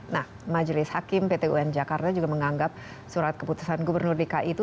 nah majelis hakim pt un jakarta juga menganggap surat keputusan gubernur dki itu